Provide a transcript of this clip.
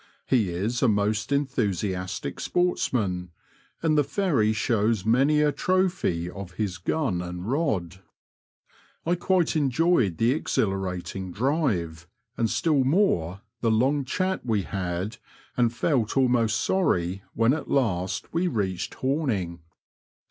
He is a most enthusi astic sportsman, and the Ferry shows many a trophy of his gun and rod. I quite enjoyed the exhilarating drive, and still more the loug chat we had, and felt almost sorry when at last we reached Horning.